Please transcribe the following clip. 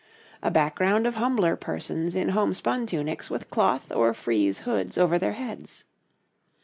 A background of humbler persons in homespun tunics with cloth or frieze hoods over their heads.